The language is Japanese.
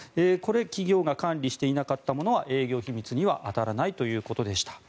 企業が管理していなかったものは営業秘密には当たらないということでした。